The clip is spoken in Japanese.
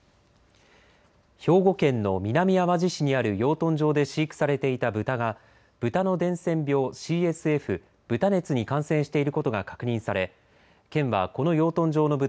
兵庫県の南あわじ市にある養豚場で飼育されていた豚が豚の伝染病ＣＳＦ＝豚熱に感染していることが確認され県はこの養豚場の豚